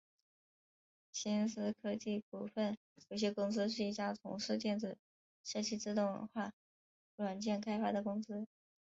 新思科技股份有限公司是一家从事电子设计自动化软件开发的公司。